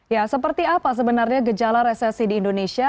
ya seperti apa sebenarnya gejala resesi di indonesia